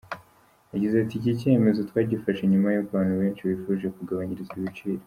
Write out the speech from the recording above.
Yagize ati “Iki cyemezo twagifashe nyuma y’uko abantu benshi bifuje kugabanyirizwa ibiciro.